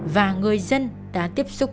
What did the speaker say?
và người dân đã tiếp xúc